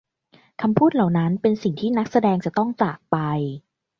คำพูดเหล่านั้นเป็นสิ่งที่นักแสดงจะต้องจากไป